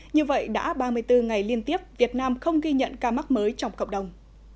như vậy đã ba mươi bốn ngày liên tiếp việt nam không ghi nhận ca mắc mới trong cộng đồng